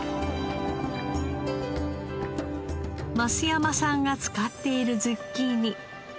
増山さんが使っているズッキーニ。